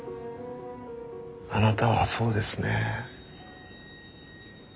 あなたはそうですね。